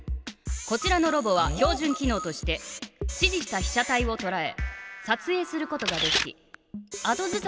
こちらのロボは標じゅん機のうとして指じしたひ写体をとらえさつえいすることができ後ずさりすることもできる。